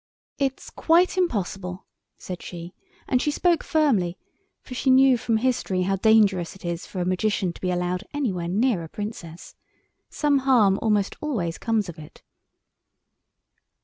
"It's quite impossible," said she, and she spoke firmly, for she knew from history how dangerous it is for a Magician to be allowed anywhere near a princess. Some harm almost always comes of it.